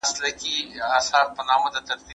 هغه څوک چې یوازې ځي، ستړی کیږي.